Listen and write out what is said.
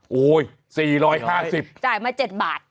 โอ้โหสี่ร้อยห้าสิบจ่ายมา๗บาท